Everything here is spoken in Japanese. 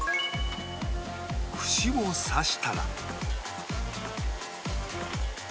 串を刺したら